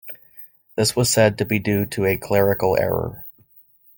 This was said to be due to a "clerical error".